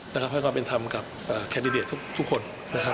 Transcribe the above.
ให้ความเป็นธรรมกับแคนดิเดตทุกคนนะครับ